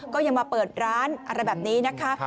ก็ยังมาเปิดร้านอะไรแบบนี้นะคะ